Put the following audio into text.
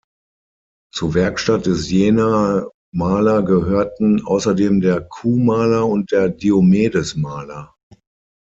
Zur Werkstatt des Jenaer Maler gehörten außerdem der Q-Maler und der Diomedes-Maler.